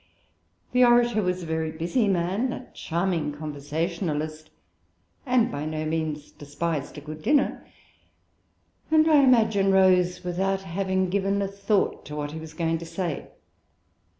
The orator was a very busy man, a charming conversationalist and by no means despised a good dinner; and, I imagine, rose without having given a thought to what he was going to say.